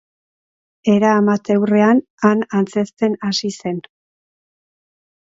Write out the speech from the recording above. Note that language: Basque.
Era amateurrean han antzezten hasi zen.